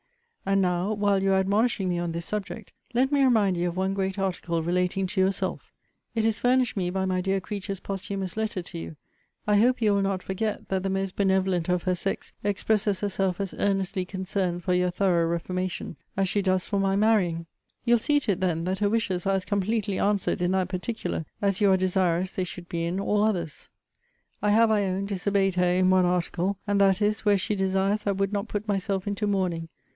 And now, while you are admonishing me on this subject, let me remind you of one great article relating to yourself: it is furnished me by my dear creature's posthumous letter to you I hope you will not forget, that the most benevolent of her sex expresses herself as earnestly concerned for your thorough reformation, as she does for my marrying. You'll see to it, then, that her wishes are as completely answered in that particular, as you are desirous they should be in all others. I have, I own, disobeyed her in one article; and that is, where she desires I would not put myself into mourning.